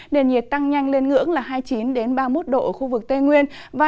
nền nhiệt tăng nhanh lên ngưỡng là hai mươi chín ba mươi một độ ở khu vực tây nguyên